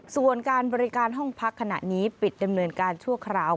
ส่วนการบริการห้องพักขณะนี้ปิดดำเนินการชั่วคราว